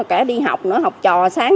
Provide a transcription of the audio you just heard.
cả đi học nữa học trò sáng